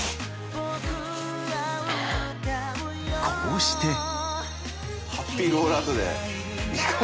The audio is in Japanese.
［こうして］